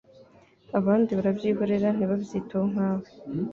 abandi barabyihorera ntibabyiteho nkawe